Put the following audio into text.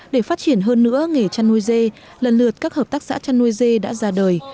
để phát triển hơn nữa nghề chăn nuôi dê lần lượt các hợp tác xã chăn nuôi dê đã ra đời